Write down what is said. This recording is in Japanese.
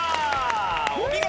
お見事！